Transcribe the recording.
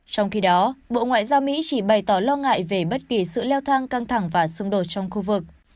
trong khi đó bộ ngoại giao mỹ chỉ bày tỏ lo ngại về bất kỳ sự leo thang căng thẳng và xung đột trong khu vực